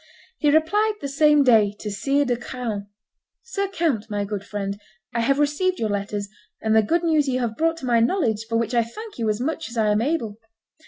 He replied the same day to Sire de Craon, "Sir Count, my good friend, I have received your letters, and the good news you have brought to my knowledge, for which I thank you as much as I am able.